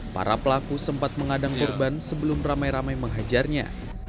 para pelaku sempat mengadang korban sebelum ramai ramai menghajarnya